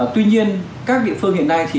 tuy nhiên các địa phương hiện nay